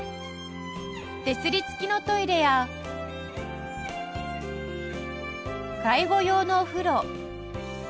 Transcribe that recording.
手すり付きのトイレや介護用のお風呂